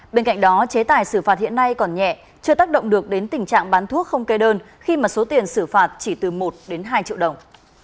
bên cạnh đó chế tài xử phạt hiện nay còn nhẹ chưa tác động được đến tình trạng bán thuốc không kê đơn khi mà số tiền xử phạt chỉ từ một đến hai triệu đồng